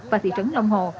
và thị trấn long hồ